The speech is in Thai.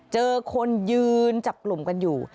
เจอคนยืนจับกลุ่มกันอยู่